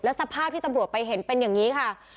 สภาพที่ตำรวจไปเห็นเป็นอย่างนี้ค่ะ